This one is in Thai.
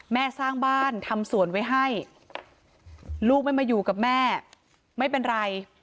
แม่สร้างบ้านทำสวนไว้ให้ลูกไม่มาอยู่กับแม่ไม่เป็นไร